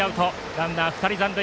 ランナーは２人残塁。